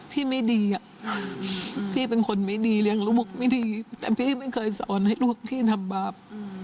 พี่ไม่ดีพี่เป็นคนไม่ดีเลี้ยงลูกไม่ดีแต่พี่ไม่เคยสอนให้ลูกพี่ทำบาป